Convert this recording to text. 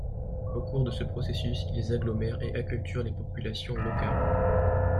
Au cours de ce processus, ils agglomèrent et acculturent les populations locales.